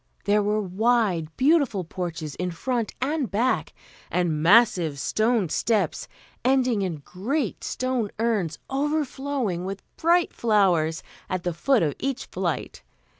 There were wide, beautiful porches in front and back, and massive stone steps, ending in great stone urns overflowing with bright flowers at the foot of each flight.